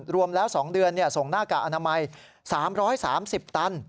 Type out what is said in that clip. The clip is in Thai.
รวมแล้ว๒เดือนส่งหน้ากากอนามัย๓๓๐ตัน